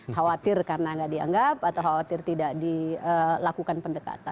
khawatir karena nggak dianggap atau khawatir tidak dilakukan pendekatan